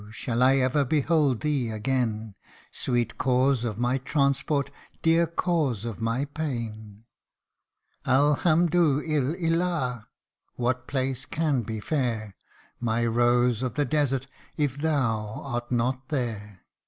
shall I ever behold thee again, Sweet cause of my transport dear cause of my pain ? Al, hamdu il Illah ! what place can be fair, My Rose of the Desert, if thou art not there